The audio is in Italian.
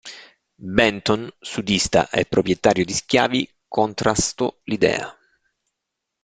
Benton, sudista e proprietario di schiavi, contrasto l'idea.